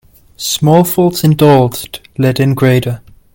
Small faults indulged let in greater.